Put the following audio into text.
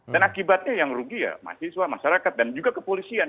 dan akibatnya yang rugi ya mahasiswa masyarakat dan juga kepolisian